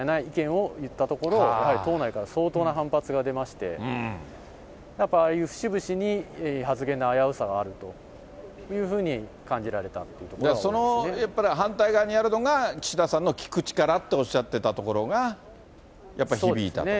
党の政策の議論の部会でぎゃーぎゃー言ってもしかたがないみたいな意見を言ったところ、やはり党内から相当な反発が出まして、やっぱりああいう節々に発言の危うさがあるというふうに感じられたそのやっぱり反対側にあるのが、岸田さんの聞く力っておっしゃてたのが、やっぱり響いたと。